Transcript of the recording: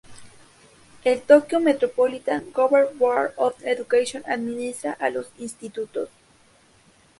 El Tokyo Metropolitan Government Board of Education administra a los institutos.